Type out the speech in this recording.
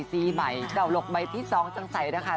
แต่หลกใบที่๒จังใสนะคะ